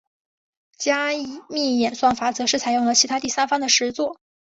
加密演算法则是采用了其他第三方的实作。